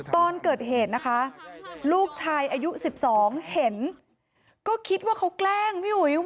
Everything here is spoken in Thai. ตอนเกิดเหตุลูกชายอายุ๑๒เห็นก็คิดว่าเขาแกล้ง